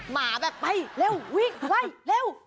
หมาแบบไปเร็ววิ่งไวเร็ว